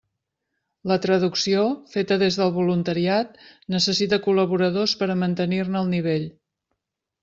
La traducció, feta des del voluntariat, necessita col·laboradors per a mantenir-ne el nivell.